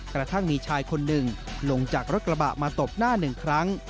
กระทั่งมีชายคนหนึ่งลงจากรถกระบะมาตบหน้าหนึ่งครั้ง